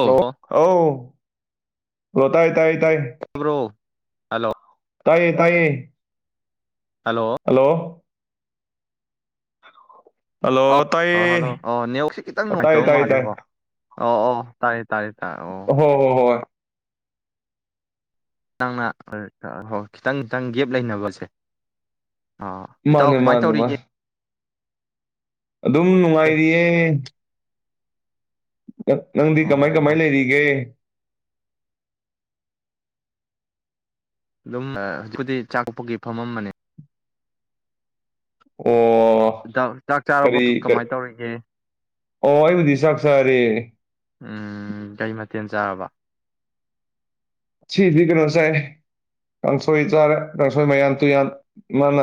Hello ꯑꯥꯎ꯫ Hello ꯇꯥꯏ ꯇꯥꯏ꯫ ꯇꯕꯔꯣ ꯍꯥꯜꯂꯣ꯫ ꯇꯥꯌꯦ ꯇꯥꯌꯦ꯫ ꯍꯜꯂꯣ ꯍꯜꯂꯣ ꯍꯜꯂꯣ ꯑꯧ ꯑ ꯇꯥꯏꯌꯦ ꯍꯜꯂꯣ ꯑ ꯅꯦꯋꯥꯛꯁꯦ ꯈꯤꯇꯪ ꯇꯥꯏ ꯅꯨꯡꯉꯥꯏꯇꯕ ꯇꯥꯏ ꯇꯥꯏ ꯃꯥꯜꯂꯤꯀꯣ ꯑꯣ ꯑꯣ ꯇꯥꯌꯦ ꯇꯥꯔꯦ ꯇ ꯑꯣ꯫ ꯍꯣꯏ ꯍꯣꯏ ꯍꯣꯏ [unintelligible] ꯈꯤꯇꯪ ꯈꯤꯇꯪ ꯒꯦꯞ ꯂꯩꯅꯕꯁꯦ ꯑ ꯏꯇꯥꯎ ꯃꯥꯅꯦ ꯀꯃꯥꯏ ꯃꯥꯅꯦ ꯇꯧꯔꯤꯒꯦ ꯃꯥꯅꯦ ꯑꯗꯨꯝ ꯅꯨꯡꯉꯥꯏꯔꯤꯌꯦ꯫ [unintelligible] ꯅꯪꯗꯤ ꯀꯃꯥꯏ ꯑꯣ ꯀꯃꯥꯏ ꯂꯩꯔꯤꯒꯦ ꯑꯗꯨꯝ ꯑ ꯍꯧꯖꯤꯛꯄꯨꯗꯤ ꯆꯥꯛꯇꯣꯛꯄꯒꯤ ꯐꯝ ꯃꯝꯕꯅꯦ꯫ ꯑꯣ ꯗ ꯆꯥꯛ ꯆꯥꯔꯕꯣ ꯀꯔꯤ ꯀꯔꯤ ꯀꯃꯥꯏ ꯇꯧꯔꯤꯒꯦ꯫ ꯑꯣ ꯑꯩꯕꯨꯗꯤ ꯆꯥꯛꯆꯥꯔꯦ꯫ ꯎꯝ ꯗꯩꯃꯠ ꯌꯦꯟ ꯆꯥꯔꯕ꯫ ꯁꯤꯗꯤ ꯀꯩꯅꯣ ꯆꯥꯏ ꯀꯥꯡꯁꯣꯏ ꯆꯥꯔꯦ ꯀꯥꯡꯁꯣꯏ ꯃꯌꯥꯟ ꯇꯨꯌꯥꯟ ꯏꯃꯥꯅ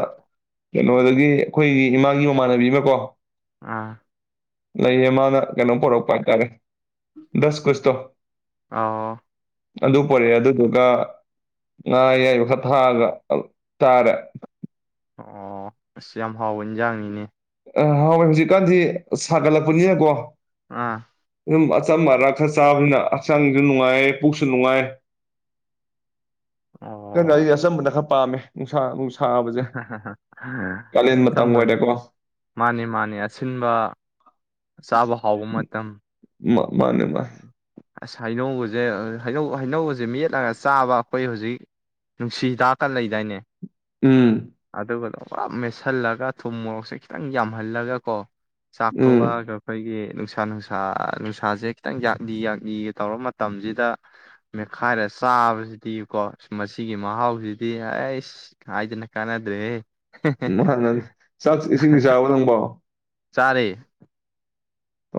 ꯀꯩꯅꯣꯗꯒꯤ ꯑꯩꯈꯣꯏꯒꯤ ꯏꯃꯥꯒꯤ ꯃꯃꯥꯟꯅꯕꯤ ꯑꯃꯀꯣ ꯎꯝ꯫ ꯂꯩꯌꯦ ꯃꯥꯅ ꯀꯩꯅꯣ ꯄꯨꯔꯛꯄ ꯇꯥꯔꯦ ꯗꯁ ꯀꯨꯁꯇꯣ꯫ ꯑꯥ꯫ ꯑꯗꯨꯝ ꯄꯨꯔꯛꯑꯦ ꯑꯗꯨꯗꯨꯒ ꯉꯥ ꯑꯌꯥꯏꯕ ꯈꯔ ꯊꯥꯛꯑꯒ ꯑꯧ ꯇꯥꯔꯦ꯫ ꯑꯣ ꯑꯁ ꯌꯥꯝ ꯍꯥꯎꯕ ꯏꯟꯖꯥꯡꯅꯤꯅꯦ꯫ ꯑ ꯍꯋꯤ ꯍꯧꯖꯤꯛꯀꯥꯟꯗꯤ ꯁꯥꯒꯠꯂꯛꯄꯅꯤꯅꯀꯣ꯫ ꯑꯥ꯫ ꯗꯨꯝ ꯑꯆꯝ ꯑꯔꯥꯛ ꯈꯔ ꯆꯥꯕꯅ ꯍꯛꯆꯥꯡꯁꯨ ꯅꯨꯡꯉꯥꯏꯌꯦ ꯄꯨꯛꯁꯨ ꯅꯨꯡꯉꯥꯏ꯫ ꯑꯣ [unintelligible] ꯄꯥꯝꯃꯦ ꯅꯨꯡꯁꯥ ꯃꯨ ꯁꯥꯕꯁꯦ ꯀꯥꯂꯦꯟ ꯃꯇꯝ ꯑꯣꯏꯔꯦꯀꯣ ꯃꯥꯅꯤ ꯃꯥꯅꯤ ꯑꯁꯤꯟꯕ ꯆꯥꯕ ꯍꯥꯎꯕ ꯃꯇꯝ ꯃ ꯃꯥꯅꯦ ꯃꯥꯅꯦ ꯖꯦ ꯍꯩꯅꯧ ꯍꯩꯅꯧꯒꯁꯦ ꯃꯦꯠꯂꯒ ꯆꯥꯕ ꯑꯩꯈꯣꯏ ꯍꯧꯖꯤꯛ ꯅꯨꯡꯁꯤꯍꯤꯗꯥꯛꯀ ꯂꯩꯗꯥꯏꯅꯦ ꯎꯝ ꯑꯗꯨꯒꯗꯣ ꯄꯨꯔꯥ ꯃꯦꯠꯁꯤꯜꯂꯒ ꯊꯨꯝ ꯃꯣꯔꯣꯛꯁꯦ ꯈꯤꯇꯪ ꯌꯥꯝꯍꯜꯂꯒ ꯀꯣ ꯆꯥꯛ ꯎꯝ ꯊꯣꯂꯛꯑꯒ ꯑꯈꯣꯏꯒꯤ ꯅꯨꯡꯁꯥ ꯅꯨꯡꯁꯥꯅꯨꯡꯁ ꯅꯨꯡꯁꯥꯁꯦ ꯈꯤꯇꯪ ꯌꯥꯛꯂꯤ ꯌꯥꯛꯂꯤꯒ ꯇꯧꯔ ꯃꯇꯝꯁꯤꯗ ꯃꯦꯠꯈꯥꯏꯔ ꯆꯥꯕꯁꯤꯗꯤꯀꯣ ꯃꯁꯤꯒꯤ ꯃꯍꯥꯎꯁꯤꯗꯤ ꯑꯁ ꯍꯥꯏꯗꯅ ꯀꯥꯟꯅꯗ꯭ꯔꯦꯍꯦ [unintelligible] ꯅꯪꯕꯣ ꯆꯥꯔꯦ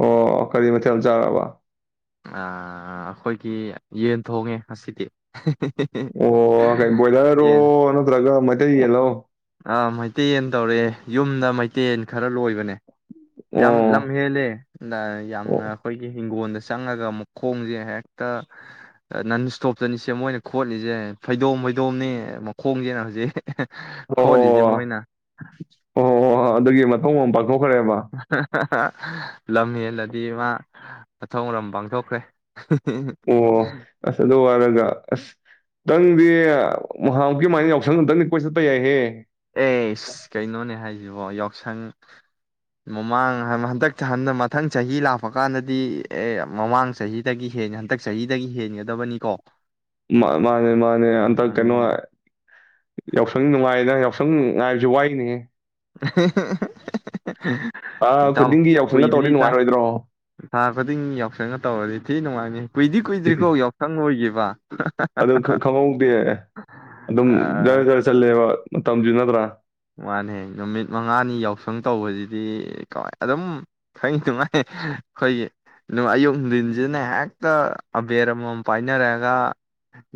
ꯑꯣ ꯀꯔꯤ ꯃꯊꯦꯜ ꯆꯥꯔꯕ ꯑ ꯑꯩꯈꯣꯏꯒꯤ ꯌꯦꯟ ꯊꯣꯡꯉꯦ ꯉꯁꯤꯗꯤ ꯑꯣ ꯀꯩ ꯑꯣꯏꯂꯔꯔꯣ ꯌꯦꯟ ꯅꯠꯇ꯭ꯔꯒ ꯃꯩ ꯀꯩꯌꯦꯂꯣ ꯑꯥ ꯃꯩꯇꯩ ꯌꯦꯟ ꯇꯧꯔꯦ ꯌꯨꯝꯗ ꯃꯩꯇꯩ ꯌꯦꯟ ꯈꯔ ꯂꯣꯏꯕꯅꯦ ꯌꯥꯝ ꯑꯣ ꯂꯝꯍꯦꯜꯂꯦ ꯅ ꯑꯣ ꯌꯥꯝꯅ ꯑꯈꯣꯏꯒꯤ ꯍꯤꯡꯒꯣꯜꯗ ꯆꯪꯉꯒ ꯃꯈꯣꯡꯁꯦ ꯍꯦꯛꯇ ꯅꯟ ꯏꯁꯇꯣꯞꯇꯅꯤꯁꯦ ꯃꯣꯏꯅ ꯈꯣꯠꯂꯤꯁꯦ ꯐꯩꯗꯣꯝ ꯐꯩꯗꯣꯝꯅꯤ ꯃꯈꯣꯡꯁꯤꯅ ꯍꯧꯖꯤꯛ ꯑꯣ ꯐꯣꯠꯂꯤꯖꯦ ꯃꯣꯏꯅ [inaudible] ꯑꯣ ꯑꯗꯨꯒꯤ ꯃꯊꯧ ꯃꯉꯝ ꯄꯥꯡꯊꯣꯛꯄ ꯍꯥ ꯍꯥ ꯍꯥ ꯂꯝ ꯍꯦꯜꯂꯗꯤ [unintelligible] ꯃꯥ ꯃꯊꯧ ꯃꯉꯝ ꯄꯥꯡꯊꯣꯛꯈ꯭ꯔꯦ [inaudible] ꯑꯣ ꯑꯗꯣ ꯋꯥꯔꯒ ꯑꯁ ꯅꯪꯗꯤ ꯅꯍꯥꯟꯃꯨꯛꯀꯤꯃꯥꯏꯅ ꯌꯥꯎꯁꯪ ꯑꯃꯇꯪꯗꯤ ꯀꯣꯏ ꯆꯠꯄ ꯌꯥꯏꯍꯦ ꯑꯦ ꯏꯁ ꯀꯩꯅꯣꯅꯦ ꯍꯥꯏ ꯌꯥꯎꯁꯪ ꯃꯃꯥꯡ ꯍꯟꯗꯛ ꯍꯟꯗ ꯃꯊꯪ ꯆꯍꯤ ꯂꯥꯛꯄ ꯀꯥꯟꯗꯗꯤ ꯑꯦ ꯃꯃꯥꯡ ꯆꯍꯤꯗꯒꯤ ꯍꯦꯟꯅꯤ ꯍꯟꯗꯛ ꯆꯍꯤꯗꯒꯤ ꯍꯦꯟꯒꯗꯕꯅꯤꯀꯣ ꯃꯥꯅꯦ ꯃꯥꯅꯦ ꯍꯟꯇꯛ ꯀꯩꯅꯣ ꯃꯥꯅꯤꯅꯦ ꯌꯥꯎꯁꯪ ꯅꯨꯡꯉꯥꯏꯅ ꯁꯨꯝ ꯉꯥꯏꯕꯕꯁꯤ ꯋꯥꯏꯅꯦꯍꯦ ꯑꯍꯦ ꯑꯍꯦ ꯑꯍꯦ ꯊꯥ ꯏꯇꯥꯎ ꯈꯨꯗꯤꯡꯒꯤ ꯌꯥꯎꯁꯪꯒ ꯇꯧꯔꯗꯤ ꯀꯨꯏꯗ꯭ꯔꯤꯗ ꯅꯨꯡꯉꯥꯏꯔꯣꯏꯗ꯭ꯔꯣ ꯊꯥ ꯈꯨꯗꯤꯡ ꯌꯥꯎꯁꯪꯒ ꯇꯧꯔꯗꯤ ꯊꯤ ꯅꯨꯡꯉꯥꯏꯅꯤ ꯀꯨꯏꯗꯤ ꯀꯨꯏꯗ꯭ꯔꯤꯀꯣ ꯌꯥꯎꯁꯪ ꯑꯣꯏꯒꯤꯕ ꯑꯗꯨ ꯈ- ꯈꯪꯍꯧꯗꯦ ꯑꯥ ꯃꯇꯝꯁꯦ ꯅꯠꯇ꯭ꯔꯥ ꯃꯥꯅꯦ ꯅꯨꯃꯤꯠ ꯃꯉꯥꯅꯤ ꯌꯥꯎꯁꯪ ꯇꯧꯕꯁꯤꯗꯤ ꯀꯃꯥꯏ ꯑꯗꯨꯝ ꯈꯡꯉꯤꯗꯨꯉꯥꯏ ꯑꯩꯈꯣꯏꯒꯤ ꯑꯌꯨꯛ ꯅꯨꯡꯊꯤꯟꯁꯤꯅ ꯍꯦꯛꯇ ꯑꯕꯦꯔ ꯑꯃꯃꯝ ꯄꯥꯏꯅꯔꯒ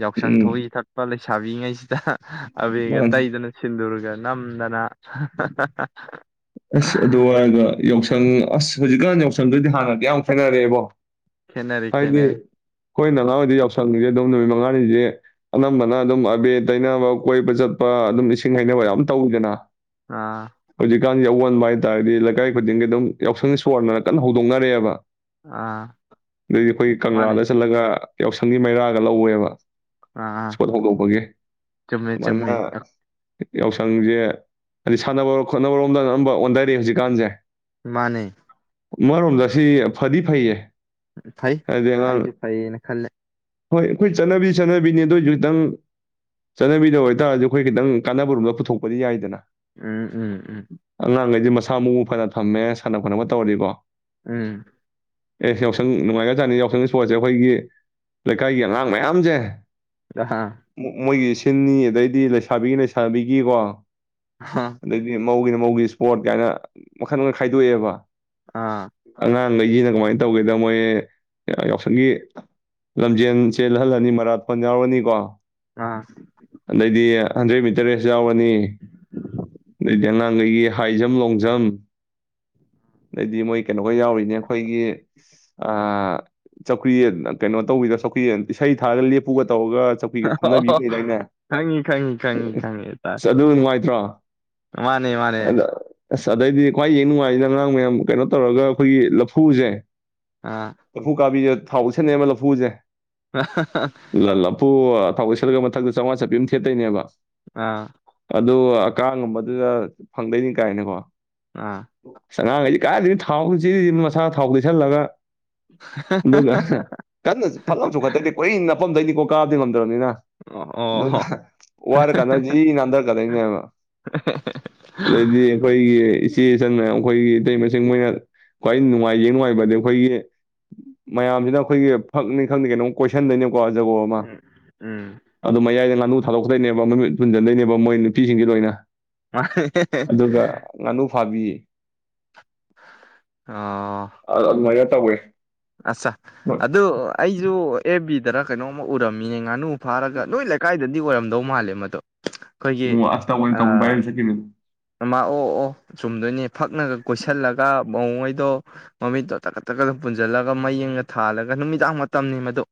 ꯌꯥꯎꯁꯪ ꯎꯝ ꯊꯧꯔꯤ ꯊꯠꯄ ꯂꯩꯁ ꯊꯥꯕꯤꯉꯩꯁꯤꯗ ꯑꯕꯦꯔꯒ ꯃꯥꯅꯤ ꯇꯩꯗꯅ ꯁꯤꯜꯗꯨꯔꯒ ꯅꯝꯗꯅ ꯍꯥ ꯍꯥ ꯍꯥ ꯑꯁ ꯑꯗꯨ ꯍꯥꯏꯒ ꯌꯥꯎꯁꯪ ꯌꯥꯎꯁꯪ ꯑꯁ ꯍꯧꯖꯤꯛꯀꯥꯟ ꯌꯥꯎꯁꯪꯗꯨꯗꯤ ꯍꯥꯟꯅꯗꯩꯩ ꯌꯥꯝ ꯈꯦꯠꯅꯔꯦꯕꯣ ꯈꯦꯠꯅꯔꯦ ꯍꯥꯏꯗꯤ ꯈꯦꯠꯅꯔꯦ ꯑꯩꯈꯣꯏꯅ ꯑꯉꯥꯡ ꯑꯣꯏꯔꯤꯉꯥꯏꯗꯗꯤ ꯌꯥꯎꯁꯪꯉꯁꯦ ꯑꯗꯨꯝ ꯅꯨꯃꯤꯠ ꯃꯉꯥꯅꯤꯁꯦ ꯑꯅꯝꯕꯅ ꯑꯗꯨꯝ ꯑꯕꯦꯔ ꯇꯩꯅꯕ ꯀꯣꯏꯕ ꯆꯠꯄ ꯑꯗꯨꯝ ꯏꯁꯤꯡ ꯍꯩꯅꯕ ꯌꯥꯝ ꯇꯧꯋꯤꯗꯅ ꯑꯥ ꯑꯥꯑꯣꯟꯕ ꯍꯥꯏꯇꯥꯥꯔꯗꯤ ꯂꯩꯀꯥꯏ ꯈꯨꯗꯤꯡꯒꯤ ꯑꯗꯨꯝ ꯌꯥꯎꯁꯪ ꯏꯁꯄꯣꯔꯠ ꯍꯥꯏꯅ ꯀꯟꯅ ꯍꯧꯗꯣꯛꯅꯔꯛꯑꯦꯕ ꯑꯥ ꯑꯗꯩꯗꯤ ꯑꯩꯈꯣꯏ ꯃꯥꯅꯦ ꯀꯪꯂꯥꯗ ꯆꯠꯂꯒ ꯌꯥꯎꯁꯪꯒꯤ ꯃꯩꯔꯥꯒ ꯂꯧꯋꯦꯕ ꯑꯥ ꯑꯥ ꯁꯄꯣꯠ ꯍꯣꯡꯗꯣꯛꯄꯒꯤ ꯆꯨꯝꯃꯦ ꯑꯗꯨꯃꯥꯏꯅ ꯆꯨꯝꯃꯦ ꯌꯥꯎꯁꯪꯁꯦ ꯑꯗꯩ ꯁꯥꯟꯅꯕ ꯈꯣꯠꯅꯕꯔꯣꯝ ꯑꯉꯝ ꯑꯉꯝꯕ ꯑꯣꯟꯊꯔꯤ ꯍꯧꯖꯤꯛꯀꯥꯟꯁꯦ ꯃꯥꯅꯦ ꯑꯃꯔꯣꯝꯗ ꯁꯤ ꯐꯗꯤ ꯐꯩꯌꯦ ꯐꯩ ꯍꯥꯏꯗꯤ ꯑꯉꯥꯡ ꯑꯩꯁꯨ ꯐꯩꯌꯦꯅ ꯈꯜꯂꯦ ꯍꯣꯏ ꯑꯩꯈꯣꯏ ꯆꯠꯅꯕꯤ ꯆꯠꯅꯕꯤꯅꯤ ꯑꯗꯨ ꯑꯣꯏꯁꯨ ꯈꯤꯇꯪ ꯆꯠꯅꯕꯤꯗ ꯑꯣꯏꯇꯥꯔꯁꯨ ꯑꯩꯈꯣꯏ ꯈꯤꯇꯪ ꯀꯥꯟꯅꯕꯔꯣꯝꯗ ꯄꯨꯊꯣꯛꯄꯗꯤ ꯌꯥꯏꯗꯅ ꯎꯝ ꯎꯝ ꯑꯉꯥꯡ ꯉꯩꯗꯤ ꯃꯁꯛ ꯁꯥ ꯃꯎ ꯐꯅ ꯊꯝꯃꯦ ꯁꯥꯟꯅꯕ ꯈꯣꯠꯅꯕ ꯇꯧꯔꯗꯤꯀꯣ ꯎꯝ ꯑꯦ ꯌꯥꯎꯁꯪ ꯅꯨꯡꯉꯥꯏꯒ꯭ꯔꯖꯥꯠꯅꯤ ꯌꯥꯎꯁꯪꯒꯤ ꯏ꯭ꯁꯄꯣꯔꯠ ꯁꯦ ꯑꯩꯈꯣꯏꯒꯤ ꯂꯩꯀꯥꯏꯒꯤ ꯑꯉꯥꯡ ꯃꯌꯥꯝꯖꯦ꯫ ꯑꯥ ꯃꯣꯏꯒꯤꯁꯤ ꯁꯤꯟꯅꯤ ꯑꯗꯩꯗꯤ ꯂꯩꯁꯥꯕꯤꯒꯤ- ꯂꯩꯁꯥꯕꯤꯒꯤꯀꯣ ꯍꯥꯥ ꯑꯗꯩꯗꯤ ꯃꯧꯒꯤꯅ- ꯃꯧꯒꯤ ꯏ꯭ꯁꯄꯣꯔꯠ ꯀꯥꯏꯅ ꯃꯈꯟ-ꯃꯈꯜ ꯈꯥꯏꯗꯣꯛꯑꯦꯕ ꯑꯥ ꯑꯗꯒꯤ ꯀꯃꯥꯏꯅ ꯇꯧꯒꯦꯗ ꯃꯣꯏ ꯌꯥꯎꯁꯪꯒꯤ ꯂꯝꯖꯦꯜ ꯆꯦꯜꯍꯜꯂꯅꯤ ꯃꯔꯥꯠꯊꯣꯟ ꯌꯥꯎꯔꯅꯤꯀꯣ ꯑꯥ ꯍꯟꯗ꯭ꯔꯦꯠ ꯃꯤꯇ꯭ꯔ ꯔꯦꯁ ꯌꯥꯎꯋꯦ ꯑꯅꯤ ꯑꯗꯨꯗꯤ ꯑꯉꯥꯡꯒꯩꯒꯤ ꯍꯥꯏ ꯖꯝ ꯂꯣꯡ ꯖꯝ ꯑꯗꯩꯗꯤ ꯃꯣꯏ ꯀꯩꯅꯣꯒ ꯌꯥꯎꯔꯤꯅꯦ ꯑꯩꯈꯣꯏꯒꯤ ꯑꯥ ꯆꯧꯀ꯭ꯔꯤ ꯀꯩꯅꯣ ꯇꯧꯕꯤꯗꯣ ꯆꯧꯀ꯭ꯔꯤ ꯏꯁꯩ ꯊꯥꯔꯒ ꯂꯦꯞꯄꯨꯒ ꯇꯧ ꯑꯗꯨꯒ ꯆꯧꯀ꯭ꯔꯤꯒ ꯐꯝꯅꯕꯤ ꯂꯩꯗꯥꯏꯅꯦ ꯈꯪꯉꯤ ꯈꯪꯉꯤ ꯈꯪꯉꯤ ꯈꯪꯉꯤ ꯇꯥꯏ ꯑꯗꯨ ꯅꯨꯡꯉꯥꯏꯇ꯭ꯔꯣ ꯃꯥꯅꯦ - ꯃꯥꯅꯦ ꯑꯗ ꯑꯁ ꯑꯗꯩꯗꯤ ꯈ꯭ꯋꯥꯏ ꯌꯦꯡꯅꯨꯡꯉꯥꯏꯔꯤꯁꯤꯅ ꯑꯉꯥꯡ ꯃꯌꯥꯝ ꯀꯩꯅꯣ ꯇꯧꯔꯒ ꯑꯩꯈꯣꯏꯒꯤ ꯂꯐꯨꯁꯦ ꯑꯥ ꯂꯐꯨ ꯀꯥꯕꯤ ꯊꯥꯎ ꯎꯁꯦꯅꯦꯕ ꯂꯐꯨꯖꯦ ꯂ ꯂꯄꯨ ꯊꯥꯎ ꯎꯁꯜꯂꯒ ꯃꯊꯛꯇ ꯆꯧꯉꯥ ꯆꯠꯄꯤ ꯑꯃ ꯊꯦꯠꯇꯣꯏꯅꯦꯕ ꯑꯥ ꯑꯗꯨ ꯑꯀꯥ ꯉꯝꯕꯗꯨꯗ ꯐꯪꯗꯣꯏꯅꯤ ꯀꯥꯏꯅꯀꯣ ꯑꯥ ꯑꯁ ꯑꯉꯥꯡ [unintelligible] ꯀꯥꯏꯗꯒꯤ ꯊꯥꯎꯖꯤ ꯃꯁꯥ ꯊꯥꯎ ꯇꯩꯁꯜꯂꯒ ꯑꯗꯨꯒ ꯍꯥ ꯀꯟꯅ ꯐꯟꯂꯥꯎ ꯆꯣꯡꯈꯠꯇꯣꯏꯅꯤ ꯀꯣꯏꯡꯅ ꯀꯣꯝꯗꯩꯗꯤ ꯀꯣꯛ ꯀꯥꯕꯗꯤ ꯉꯝꯗꯝꯅꯤꯅ ꯑꯣ ꯑꯗꯨꯒꯥ ꯑꯣ ꯍ ꯋꯥꯔꯀꯥꯟꯗ ꯖꯤ ꯅꯥꯟꯊꯔꯛꯀꯗꯣꯏꯅꯦꯕ ꯑꯗꯩꯗꯤ ꯑꯩꯈꯣꯏꯒꯤ [unintelligible] ꯑꯩꯈꯣꯏꯒꯤ ꯏꯇꯩꯃꯁꯤꯡ ꯃꯣꯏꯅ ꯈ꯭ꯋꯥꯏ ꯅꯨꯡꯉꯥꯏ ꯌꯦꯡ ꯅꯨꯡꯉꯥꯏꯕꯖꯦ ꯑꯩꯈꯣꯏꯒꯤ ꯃꯌꯥꯝꯁꯤꯅ ꯑꯩꯈꯣꯏꯒꯤ ꯐꯛꯅꯤ ꯈꯪꯅꯤ ꯀꯩꯅꯣꯝ ꯀꯣꯏꯁꯟꯗꯣꯏꯅꯤ ꯋꯥ ꯖꯒꯣ ꯑꯃ ꯎꯝ ꯎꯝ ꯑꯗꯨ ꯃꯌꯥꯏꯗ ꯅꯨ ꯊꯥꯗꯣꯛꯀꯗꯣꯏꯅꯦꯕ ꯃꯃꯤꯠ ꯄꯨꯟꯖꯟꯗꯣꯏꯅꯦꯕ ꯃꯣꯏ ꯅꯨꯄꯤꯁꯤꯡꯒꯤꯁꯤ ꯂꯣꯏꯅ ꯃꯥ ꯍꯦ ꯍꯦ꯫ ꯑꯗꯨꯒ ꯉꯥꯅꯨ ꯐꯥꯕꯤ꯫ ꯑꯥ꯫ ꯇꯧꯔꯦ꯫ ꯑꯠꯆꯥ ꯑꯗꯨ ꯑꯩꯁꯨ ꯑꯦꯐ_ꯕꯤ꯫ ꯗꯔ ꯀꯩꯅꯣꯝꯃ ꯎꯔꯝꯃꯤꯅꯦ ꯉꯥꯅꯨ ꯐꯥꯔꯒ ꯅꯣꯏ ꯂꯩꯀꯥꯏꯗꯗꯤ ꯑꯣꯏꯔꯝꯗꯧ ꯃꯥꯜꯂꯦ ꯃꯗꯣ꯫ ꯑꯩꯈꯣꯏꯒꯤ ꯎꯝ ꯑꯁ ꯇꯧꯕꯅꯦ ꯇꯧꯕꯅꯦ ꯑꯥ ꯕꯥꯏꯔꯦꯜ ꯆꯠꯈꯤꯕꯅꯦ꯫ ꯃꯃꯥ ꯑꯣ ꯑꯣ ꯆꯨꯝꯗꯣꯏꯅꯦ ꯐꯛꯅꯒ ꯀꯣꯏꯁꯤꯜꯂꯒ ꯃꯧꯉꯩꯗꯣ ꯃꯃꯤꯠꯇꯣ ꯇꯛꯀꯠ ꯇꯛꯀꯠ ꯄꯨꯟ꯫ ꯄꯨꯨꯖꯤꯜꯂꯒ ꯃꯩ ꯑꯝꯒ ꯊꯥꯜꯂꯒ ꯅꯨꯃꯤꯗꯥꯡ ꯃꯇꯝꯅꯤ ꯃꯗꯨ꯫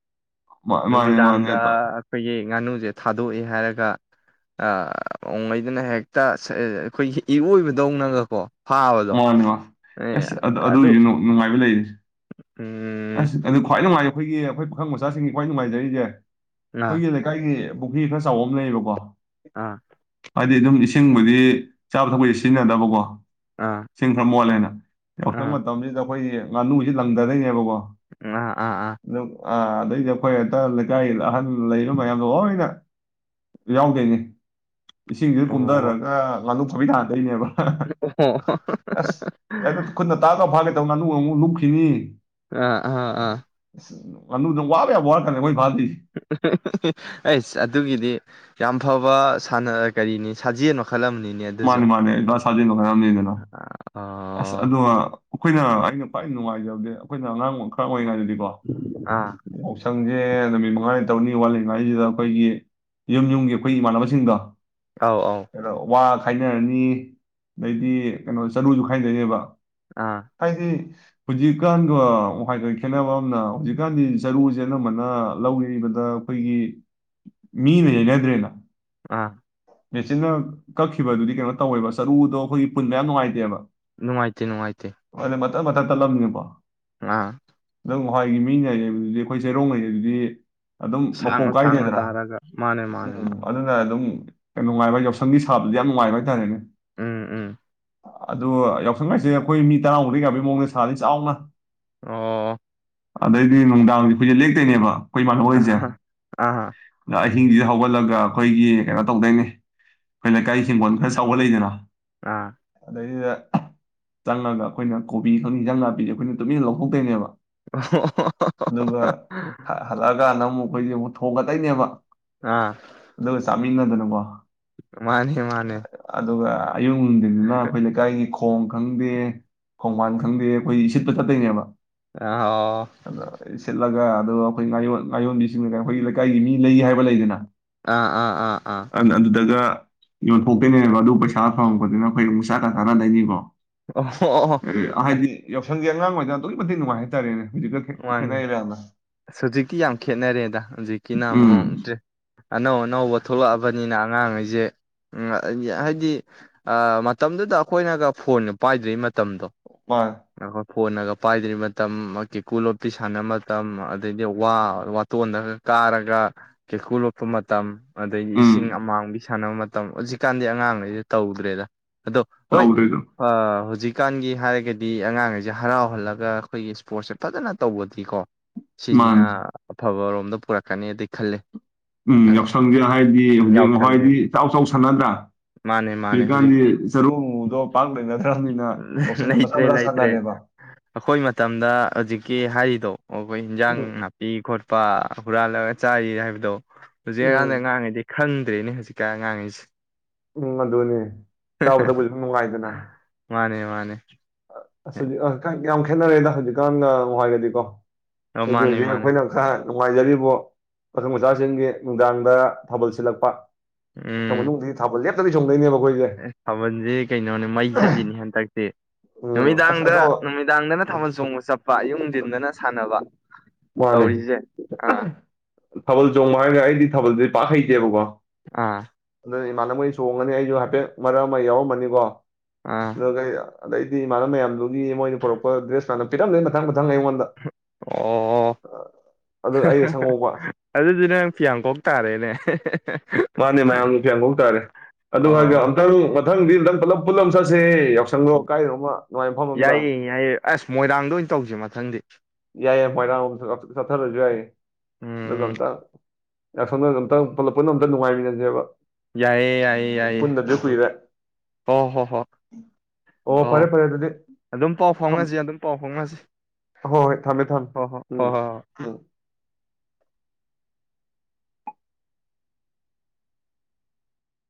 ꯃꯥꯅꯦ ꯅꯨꯃꯤꯗꯥꯡꯗ ꯃꯥꯅꯦ ꯑꯩꯈꯣꯏꯒꯤ꯫ ꯉꯥꯅꯨꯁꯦ ꯊꯥꯗꯣꯛꯑꯦ ꯍꯥꯏꯔꯒ ꯑꯥ ꯃꯧꯉꯩꯗꯨꯅ ꯍꯦꯛꯇ ꯁꯦ ꯑꯩꯈꯣꯏꯒꯤ ꯏꯔꯣꯏꯕꯗꯧꯅꯒꯀꯣ꯫ ꯐꯥꯕꯗꯣ ꯃꯥꯅꯦ ꯃꯥ ꯑꯦ ꯑꯁ ꯑꯗꯨ ꯑꯗꯨꯒꯤꯖꯨ ꯅꯨꯡꯉꯥꯏꯕ ꯂꯩꯔꯤ꯫ ꯎꯝ ꯑꯁ ꯑꯗꯨ ꯈ꯭ꯋꯥꯥꯏ ꯅꯨꯡꯉꯥꯏ꯫ ꯑꯩꯈꯣꯏꯒꯤ ꯑꯩꯈꯣꯏ ꯄꯥꯈꯪ ꯃꯆꯥꯁꯤꯡꯒꯤ ꯈ꯭ꯋꯥꯏ ꯅꯨꯡꯉꯥꯏꯖꯔꯤꯁꯦ꯫ ꯑꯥ ꯑꯈꯣꯏꯒꯤ ꯂꯩꯀꯥꯏꯒꯤ꯫ ꯄꯨꯈ꯭ꯔꯤ ꯈꯔ ꯆꯥꯎꯕ ꯑꯃ ꯂꯩꯌꯦꯕꯀꯣ꯫ ꯑꯥ ꯍꯥꯏꯗꯤ ꯑꯗꯨꯝ ꯏꯁꯤꯡ꯫ ꯁꯤꯡꯕꯒꯤ ꯆꯥꯕ ꯊꯛꯄꯗꯤ ꯁꯤꯖꯤꯟꯅꯗꯕꯀꯣ꯫ ꯑꯥ ꯁꯤꯡꯈ꯭ꯔ ꯃꯦꯠꯂꯦꯅ꯫ [unintelligible] ꯌꯥꯎꯁꯪ ꯑꯥ ꯃꯇꯝꯁꯤꯗ ꯑꯩꯈꯣꯏꯒꯤ ꯉꯥꯅꯨꯁꯤ ꯂꯪꯗꯗꯩꯅꯦꯕꯀꯣ꯫ ꯉꯥ ꯑꯥ ꯑꯥ꯫ ꯑꯥ ꯑꯗꯩꯗꯤ ꯑꯈꯣꯏ ꯍꯟꯇꯛ ꯂꯩꯀꯥꯏꯒꯤ ꯑꯍꯟ ꯂꯩꯕ ꯃꯌꯥꯝꯗꯣ ꯂꯣꯏꯅ ꯌꯥꯎꯗꯣꯏꯅꯤ꯫ ꯏꯁꯤꯡꯖꯤ ꯀꯨꯝꯗꯔꯒ꯫ ꯉꯥꯅꯨ ꯐꯥꯕꯤ ꯇꯥꯅꯗꯣꯏꯅꯦꯕ꯫ ꯎ ꯑꯣ ꯍꯣ꯫ ꯑꯁ ꯍꯦꯛꯇ ꯈꯨꯠꯅ ꯇꯥꯛ ꯂꯥꯎꯅ ꯐꯥ ꯇꯧ ꯉꯥꯅꯨꯒ ꯃꯨꯛ ꯂꯨꯞꯈꯤꯅꯤ꯫ ꯑꯥ ꯑꯥꯍ ꯑꯥ꯫ ꯉꯥꯅꯨꯗꯨ ꯋꯥꯕ ꯌꯥꯕ ꯋꯥꯔꯀꯥꯟ ꯑꯈꯣꯏ ꯑꯍ ꯑꯍ ꯍ ꯍ ꯑꯩꯁ ꯑꯗꯨꯒꯤꯗꯤ ꯌꯥꯝ ꯐꯕ ꯁꯥꯅ ꯀꯔꯤꯅꯤ ꯁꯥꯖꯅꯣ ꯃꯥꯅꯦ ꯃꯥꯅꯦ [unintelligible] ꯑꯁ ꯑꯥ ꯑꯗꯨ ꯑ꯫ ꯑꯩꯈꯣꯏꯅ ꯑꯩꯅ ꯈ꯭ꯋꯥꯏ ꯅꯨꯡꯉꯥꯏꯖ꯭ꯕꯗꯤ ꯑꯩꯈꯣꯏꯅ ꯑꯉꯥꯡ ꯑꯣꯏ ꯈ ꯑꯣꯏꯅ ꯑꯗꯨꯗꯤꯀꯣ ꯑꯥ ꯌꯥꯎꯁꯪꯁꯦ꯫ ꯅꯨꯃꯤꯠ ꯃꯉꯥꯅꯤ ꯇꯧꯅꯤ ꯋꯥꯠꯂꯤꯉꯥꯏꯁꯤꯗ ꯑꯩꯈꯣꯏꯒꯤ ꯌꯨꯝ ꯌꯨꯝꯒꯤ ꯑꯩꯈꯣꯏ ꯏꯃꯥꯟꯅꯕꯁꯤꯡꯗꯣ ꯑꯧ ꯑꯧ ꯍꯂꯣ ꯋꯥ ꯈꯥꯏꯅꯔꯅꯤ ꯑꯗꯩꯗꯤ ꯀꯩꯅꯣ ꯆꯔꯨꯁꯨ [unintelligible] ꯑꯥ ꯍꯥꯏꯗꯤ ꯍꯧꯖꯤꯛꯀꯥꯟꯒ ꯍꯋꯥꯏꯒ ꯈꯦꯠꯅꯕ ꯑꯝꯅ ꯍꯧꯖꯤꯛꯀꯥꯟꯗꯤ ꯆꯔꯨꯁꯦ ꯑꯅꯝꯕꯅ ꯂꯧ ꯌꯩꯕꯗ ꯑꯩꯈꯣꯏꯒꯤ ꯃꯤꯅ ꯌꯩꯅꯗ꯭ꯔꯦꯅ꯫ ꯑ꯫ ꯃꯦꯆꯤꯟꯅ ꯀꯛꯈꯤꯕꯗꯨꯗꯤ ꯀꯩꯅꯣ ꯇꯧꯋꯦꯕ ꯆꯔꯨꯗꯣ ꯑꯩꯈꯣꯏꯒꯤ ꯄꯨꯟꯕ ꯌꯥꯝ ꯅꯨꯡꯉꯥꯏꯇꯦꯕ꯫ ꯅꯨꯡꯉꯥꯏꯇꯦ ꯅꯨꯡꯉꯥꯏꯇꯦ꯫ ꯑꯗꯨꯅ ꯃꯇꯠ ꯇꯠꯂꯕꯅꯤꯅꯀꯣ ꯉꯥ ꯅꯍꯋꯥꯏꯒꯤ ꯃꯤꯅ ꯌꯩꯕꯗꯨꯗꯤ ꯑꯩꯈꯣꯏ ꯆꯩꯔꯣꯡꯅ ꯌꯩꯕꯗꯨꯗꯤ ꯑꯗꯨꯝ ꯃꯄꯣꯛ ꯁꯥꯡꯅ ꯁꯥꯡꯅ ꯀꯥꯏꯗꯦꯗꯅ ꯇꯥꯔꯒ ꯃꯥꯅꯦ ꯃꯥꯅꯦ ꯎꯝ ꯃꯥ ꯑꯗꯨꯅ ꯑꯗꯨꯝ ꯅꯨꯡꯉꯥꯏꯕ ꯌꯥꯎꯁꯪꯒꯤ ꯁꯥꯕꯗꯤ ꯌꯥꯝ ꯅꯨꯡꯉꯥꯏꯕ ꯍꯥꯏꯇꯥꯔꯦꯅꯦ ꯎꯝ ꯎꯝ ꯑꯗꯨꯒ ꯌꯥꯎꯁꯪ ꯍꯥꯏꯁꯦ ꯑꯩꯈꯣꯏ ꯃꯤ ꯇꯔꯥꯃꯨꯛꯇꯤ ꯌꯥꯕꯩ ꯃꯑꯣꯡꯗ ꯁꯥꯅꯤ ꯆꯥꯎꯅ꯫ ꯑꯣ꯫ ꯑꯗꯩꯗꯤ ꯅꯨꯡꯗꯥꯡꯁꯦ ꯑꯩꯈꯣꯏꯁꯦ ꯂꯦꯛꯇꯣꯏꯅꯦꯕ꯫ ꯑꯩꯈꯣꯏ ꯏꯃꯥꯟꯅꯕꯒꯩꯁꯦ ꯑꯍꯥ ꯑꯥ [unintelligible] ꯑꯍꯤꯡꯁꯤꯗ ꯍꯧꯒꯠꯂꯒ ꯑꯩꯈꯣꯏꯒꯤ ꯀꯩꯅꯣ ꯇꯧꯗꯣꯏꯅꯦ ꯑꯩꯈꯣꯏ ꯂꯩꯀꯥꯏ ꯍꯤꯡꯒꯣꯜ ꯈꯔ ꯆꯥꯎꯕ ꯂꯩꯗꯅ꯫ ꯑꯥ [unintelligible] ꯆꯪꯉꯒ ꯑꯩꯈꯣꯏꯅ ꯀꯣꯕꯤ ꯈꯪꯗꯦ ꯍꯟꯖꯥꯡ ꯅꯥꯄꯤꯁꯦ ꯑꯩꯈꯣꯏꯅ ꯇꯨꯃꯤꯟꯅ ꯂꯧꯊꯣꯛꯇꯣꯏꯅꯦꯕ ꯑꯗꯨꯒ ꯑꯥ ꯍꯜꯂꯛ ꯑꯀꯥꯟꯗ ꯑꯃꯨꯛ ꯑꯩꯈꯣꯏꯁꯦ ꯑꯃꯨꯛ ꯊꯣꯛꯒꯗꯣꯏꯅꯦꯕ꯫ ꯑꯥ ꯑꯗꯨꯒ ꯆꯥꯃꯤꯟꯅꯗꯅ [unintelligible] ꯃꯥꯅꯦ ꯃꯥꯅꯦ ꯑꯌꯨꯛ ꯅꯨꯡꯗꯤꯜꯗꯨꯅ ꯑꯩꯈꯣꯏ ꯂꯩꯀꯥꯏꯒꯤ ꯈꯣꯡ ꯈꯪꯗꯦ ꯈꯣꯡꯕꯥꯟ ꯈꯪꯗꯦ ꯑꯩꯈꯣꯏꯖꯦ ꯏꯁꯤꯠꯄ ꯆꯠꯇꯣꯏꯅꯦꯕ ꯑꯥꯋꯣ ꯆꯠꯂꯒ ꯑꯗꯣ ꯑꯩꯈꯣꯏ ꯉꯥꯌꯣꯟ ꯉꯥꯌꯣꯟꯕꯤꯁꯤꯡꯅꯒ ꯑꯩꯈꯣꯏꯒꯤ ꯂꯩꯀꯥꯏꯒꯤ ꯃꯤ ꯂꯩ ꯍꯥꯏꯕ ꯂꯩꯗꯅ ꯑꯥ ꯑꯥ ꯑꯥ ꯑꯥ ꯑꯗꯨ ꯑꯗꯨꯗꯒ ꯌꯣꯟꯊꯣꯛꯇꯣꯏꯅꯦꯕ ꯑꯗꯨ ꯄꯩꯁꯥ ꯐꯪꯉꯛꯄꯗꯨꯅ ꯑꯩꯈꯣꯢ ꯑꯃꯨꯛ ꯆꯥꯛꯀ ꯆꯥꯟꯅꯗ [inaudible] ꯑꯣ ꯑ ꯅꯪꯗꯤ ꯑꯉꯥꯡ ꯑꯣꯏꯅ ꯑꯗꯨꯛꯀꯤ ꯃꯇꯤꯛ ꯅꯨꯡꯉꯥꯏ ꯍꯥꯏꯇꯥꯔꯦꯅꯦ ꯍꯧꯖꯤꯛꯀ ꯈꯦ ꯈꯦꯠꯅꯩꯕ ꯌꯥꯝꯅ ꯑꯁ ꯍꯧꯖꯤꯛꯇꯤ ꯌꯥꯝ ꯈꯦꯠꯅꯔꯦꯗ ꯍꯧꯖꯤꯛꯀꯤꯅ ꯎꯝ ꯑꯃꯨꯛ ꯑꯅꯧ ꯑꯅꯧꯕ ꯊꯣꯛꯂꯛꯑꯕꯅꯤꯅ ꯑꯉꯥꯡꯈꯩ ꯖꯦ ꯎꯝ ꯍꯥꯏꯗꯤ ꯑ ꯃꯇꯝꯗꯨꯗ ꯑꯩꯈꯣꯏꯅꯒ ꯐꯣꯟ ꯄꯥꯏꯗ꯭ꯔꯤ ꯃꯇꯝꯗꯣ ꯃꯥꯅꯦ ꯑ ꯐꯣꯟꯅꯒ ꯄꯥꯏꯗ꯭ꯔꯤꯕ ꯃꯇꯝ ꯃꯥꯒꯤ ꯀꯦꯀꯨ ꯂꯣꯞꯇꯤ ꯁꯥꯟꯅꯕ ꯃꯇꯝ ꯑꯗꯩꯗꯤ ꯋꯥ ꯋꯥꯇꯣꯟꯗꯒ ꯀꯥꯔꯒ ꯀꯦꯀꯨ ꯂꯣꯞꯄ ꯃꯇꯝ ꯑꯗꯩ ꯎꯝ ꯏꯁꯤꯡ ꯑꯃꯥꯡꯕꯤ ꯁꯥꯟꯅꯕ ꯃꯇꯝ ꯍꯧꯖꯤꯛꯀꯥꯟꯗꯤ ꯑꯉꯥꯡꯈꯩꯗꯤ ꯇꯧꯗ꯭ꯔꯦꯗ ꯑꯗꯣ ꯍꯣꯏ ꯇꯧꯗ꯭ꯔꯤꯗꯣ ꯑ ꯍꯧꯖꯤꯛ ꯀꯥꯟꯒꯤ ꯍꯥꯏꯔꯒꯗꯤ ꯑꯉꯥꯡꯒꯩꯖꯦ ꯍꯔꯥꯎꯍꯜꯂꯒ ꯑꯩꯈꯣꯏꯒꯤ ꯁ꯭ꯄꯣꯔꯠꯁ ꯐꯖꯅ ꯇꯧꯕꯗꯤꯀꯣ꯫ ꯁꯤꯁꯤꯅ ꯃꯥꯅꯦ ꯑꯐꯕꯔꯣꯝ ꯑꯗꯥ ꯄꯨꯔꯛꯀꯅꯦ ꯗꯤ ꯈꯜꯂꯦ꯫ ꯎꯝ ꯌꯥꯎꯁꯪꯁꯦ ꯍꯥꯏꯗꯤ ꯍꯨꯖꯤꯛ ꯌꯥꯎꯁꯪꯁꯦ ꯍꯥꯏꯗꯤ ꯆꯥꯎ ꯆꯥꯎ ꯁꯥꯟꯅꯗ꯭ꯔꯥ ꯃꯥꯅꯦ ꯃꯥꯅꯦ ꯍꯨꯖꯤꯛꯀꯥꯟꯗꯤ ꯍꯧꯖꯤꯛꯇꯤ ꯆꯔꯨ ꯒꯨꯝꯕꯗꯣ ꯄꯥꯛ ꯂꯩꯅꯗ꯭ꯔꯕꯅꯤꯅ ꯌꯥꯎꯁꯪꯁꯦ ꯃꯆꯥ ꯂꯩꯇ꯭ꯔꯦ ꯃꯆꯥ ꯂꯩꯇ꯭ꯔꯦ ꯁꯥꯟꯅꯔꯦꯕ꯫ ꯀꯦ ꯍꯥꯏꯔꯤꯗꯣ꯫ ꯑꯣꯕꯩ ꯍꯤꯟꯖꯥꯡ ꯎꯝ ꯅꯥꯄꯤ ꯈꯣꯠ ꯅꯨꯄꯥ ꯍꯨꯔꯥꯜꯂꯒ ꯆꯥꯔꯤ ꯍꯥꯏꯕꯗꯣ꯫ ꯍꯧꯖꯤꯛ [unintelligible] ꯎꯝ ꯑꯉꯥꯡꯒꯩꯗꯤ ꯈꯟ ꯗ꯭ꯔꯦꯅꯦ ꯍꯧꯖꯤꯛꯀꯥꯟ ꯑꯉꯥꯡꯒꯩꯁꯦ꯫ ꯎꯝ ꯑꯗꯨꯅꯤ ꯆꯥꯕ ꯊꯛꯄꯁꯨ ꯗꯨꯝ ꯅꯨꯡꯉꯥꯏꯗꯅ꯫ ꯃꯥꯅꯦ ꯃꯥꯅꯦ꯫ ꯑ ꯑꯁꯤꯗꯤ ꯑ ꯈꯪ ꯌꯥꯝ ꯈꯦꯠꯅꯔꯦꯗ ꯍꯧꯖꯤꯛꯀꯥꯟꯒ ꯅꯍꯥꯋꯥꯏꯒꯗꯤꯀꯣ꯫ ꯑ ꯑꯩꯗꯤ ꯃꯥꯅꯦ ꯍꯨꯖꯤꯛ ꯃꯥꯅꯦ ꯑꯩꯈꯣꯏꯅꯈꯪ ꯅꯨꯡꯉꯥꯏꯖꯔꯤꯕꯣ ꯄꯥꯈꯪ ꯃꯆꯥꯁꯤꯡꯒꯤ ꯅꯨꯡꯗꯥꯡꯗ ꯊꯥꯕꯜ ꯁꯤꯜꯂꯛꯄ ꯌꯥꯎꯁꯪ ꯃꯅꯨꯡꯗꯤ ꯊꯥꯕꯜ ꯂꯦꯞ ꯇꯕꯤ ꯆꯣꯡꯗꯣꯏꯅꯦ ꯑꯦ ꯊꯥꯕꯜꯁꯦ ꯀꯩꯅꯣꯅꯦ ꯃꯩ ꯆꯠꯂꯤꯅꯦ ꯍꯟꯗꯛꯇꯤ꯫ ꯎꯝ ꯑꯁ ꯅꯨꯃꯤꯗꯥꯡꯗ ꯑꯗꯣ ꯅꯨꯃꯤꯗꯥꯡꯗꯅ ꯊꯥꯕꯜ ꯆꯣꯡꯕ ꯆꯠꯄ ꯑꯌꯨꯛ ꯅꯨꯡꯗꯤꯟꯗꯅ ꯁꯥꯟꯅꯕ ꯍ꯫ ꯃꯥꯅꯦ꯫ ꯊꯥꯕꯜ ꯆꯣꯡꯕ ꯍꯥꯏꯔꯒ ꯑꯩꯗꯤ ꯊꯥꯕꯜꯁꯤ ꯄꯥꯛ ꯍꯩꯇꯦꯕꯀꯣ꯫ ꯑꯥ [unintelligible] ꯏꯃꯥꯟꯅꯕꯉꯩ ꯆꯣꯡꯉꯅꯤ ꯑꯩꯁꯨ ꯍꯥꯏꯐꯦꯠ ꯃꯔꯛ ꯑꯃ ꯌꯥꯎꯔꯝꯃꯅꯤꯀꯣ ꯑꯥ [unintelligible] ꯑꯗꯩꯗꯤ ꯏꯃꯥꯟꯅꯕ ꯃꯌꯥꯝꯗꯨꯅꯤ ꯃꯣꯏꯅ ꯄꯨꯔꯛꯄ ꯗ꯭ꯔꯦꯁ [unintelligible] ꯃꯊꯪ ꯃꯊꯪ ꯑꯩꯉꯣꯟꯗ꯫ ꯑꯣ ꯑꯗꯨ ꯍꯦ ꯑꯩꯒ ꯍꯦ ꯁꯪꯍꯧꯕ ꯍꯦ ꯑꯗꯨꯗꯤ ꯅꯪ ꯐꯤꯌꯥꯡꯈꯣꯛ ꯇꯥꯔꯦꯅꯦ ꯍꯦ ꯍꯦ ꯍꯦ꯫ ꯃꯥꯅꯦ ꯃꯌꯥꯝ ꯐꯤꯌꯥꯡꯀꯣꯛ ꯇꯥꯔꯦ ꯑꯗꯨ ꯍꯥꯏꯔꯒ ꯑꯣ ꯑꯃꯝꯛꯇꯪ ꯃꯊꯪꯗꯤ ꯑꯝ ꯄꯨꯂꯞ ꯄꯨꯟꯅꯥ ꯆꯠꯁꯦ ꯌꯥꯎꯁꯪꯗꯣ ꯀꯥꯏꯗꯅꯣꯃ ꯅꯨꯡꯉꯥꯏꯕ ꯃꯐꯝ ꯑꯝꯗ ꯌꯥꯏꯌꯦ ꯌꯥꯏꯌꯦ ꯑꯁ ꯃꯣꯏꯔꯥꯡꯗ ꯑꯣꯏꯅ ꯇꯧꯁꯦ ꯃꯊꯪꯗꯤ ꯌꯥꯏꯌꯦ [unintelligible] [unintelligible] ꯑꯝꯇꯪ ꯎꯝ ꯄꯨꯜꯂꯛ ꯄꯨꯟꯅ ꯑꯝꯇ ꯅꯨꯡꯉꯥꯏꯃꯤꯟꯅꯁꯦꯕ꯫ ꯌꯥꯏꯌꯦ ꯌꯥꯏꯌꯦ ꯌꯥꯏꯌꯦ ꯄꯨꯟꯗꯕꯁꯨ ꯑꯝꯊꯣꯛ ꯀꯨꯏꯔꯦ ꯍꯣ ꯍꯣ ꯍꯣ ꯑꯣ ꯐꯔꯦ ꯐꯔꯦ ꯑꯗꯨꯗꯤ ꯑꯗꯨꯝ ꯄꯥꯎ ꯐꯥꯎꯅꯁꯤ ꯑꯗꯨꯝ ꯄꯥꯎ ꯐꯥꯎꯅꯁꯤ꯫ ꯍꯣ ꯍꯣꯏ ꯊꯝꯃꯦ ꯊꯝꯃꯦ ꯍꯣ ꯍꯣ ꯍꯣ ꯎꯝ ꯍꯣ ꯍꯣ ꯎꯝ꯫